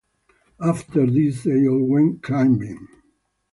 After this they all went climbing.